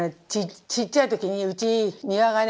ちっちゃい時にうち庭がね